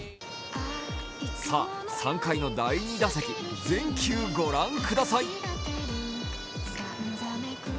さあ３回の第２打席、全球御覧ください。